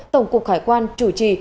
tổng cục khải quan chủ trì